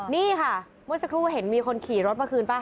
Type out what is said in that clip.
นี่ค่ะมันสักครู่เห็นมีคนขี่รถมาคืนป่ะ